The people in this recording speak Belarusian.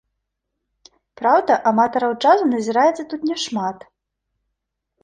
Праўда, аматараў джазу назіраецца тут не шмат.